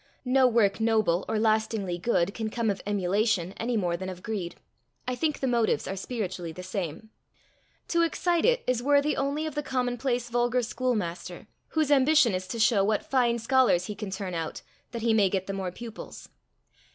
No work noble or lastingly good can come of emulation any more than of greed: I think the motives are spiritually the same. To excite it is worthy only of the commonplace vulgar schoolmaster, whose ambition is to show what fine scholars he can turn out, that he may get the more pupils.